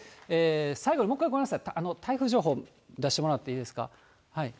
最後にもう一回、ごめんなさい、台風情報、出してもらっていいですか。